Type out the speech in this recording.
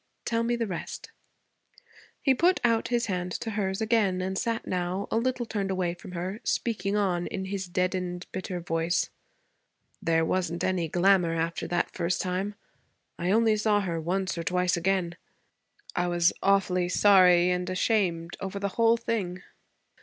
Tell me the rest.' He put out his hand to hers again and sat now a little turned away from her, speaking on in his deadened, bitter voice. 'There wasn't any glamour after that first time. I only saw her once or twice again. I was awfully sorry and ashamed over the whole thing.